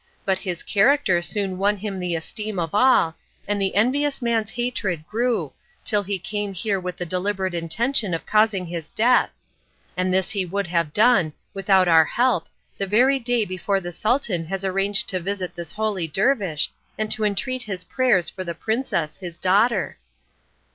But his character soon won him the esteem of all, and the envious man's hatred grew, till he came here with the deliberate intention of causing his death. And this he would have done, without our help, the very day before the Sultan has arranged to visit this holy dervish, and to entreat his prayers for the princess, his daughter."